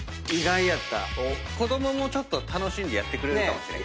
子供もちょっと楽しんでやってくれるかもしれへん。